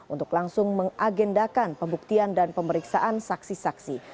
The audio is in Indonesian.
untuk langsung mengagendakan pembuktian dan pemeriksaan saksi saksi